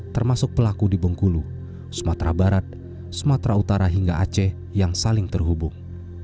termasuk pelaku di bengkulu sumatera barat sumatera utara hingga aceh yang saling terhubung